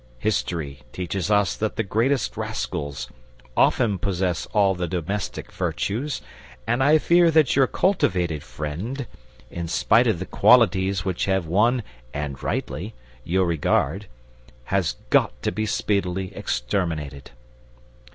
History teaches us that the greatest rascals often possess all the domestic virtues; and I fear that your cultivated friend, in spite of the qualities which have won (and rightly) your regard, has got to be speedily exterminated."